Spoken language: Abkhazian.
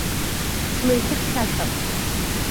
Слеиқәыхьшәашәап.